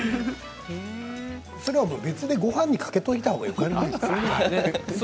それは別でごはんにかけといたほうがよくないですか。